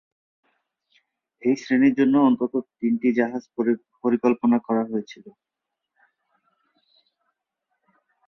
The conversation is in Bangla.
এই শ্রেণীর জন্য অন্তত তিনটি জাহাজ পরিকল্পনা করা হয়েছিল।